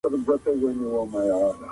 پوهه سته.